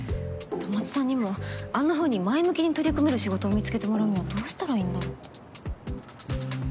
戸松さんにもあんなふうに前向きに取り組める仕事を見つけてもらうにはどうしたらいいんだろう？